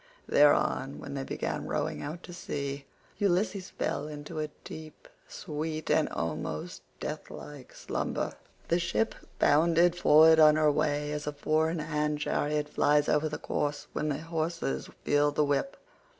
Thereon, when they began rowing out to sea, Ulysses fell into a deep, sweet, and almost deathlike slumber.111 The ship bounded forward on her way as a four in hand chariot flies over the course when the horses feel the whip.